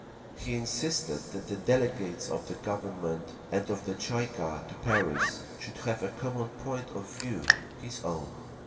He insisted that the delegates of the Government and of the Tsay ee kah to Paris should have a common point of view—his own.